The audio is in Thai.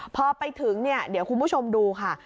พอไปถึงเนี่ยเดี๋ยวคุณผู้ชมดูค่ะ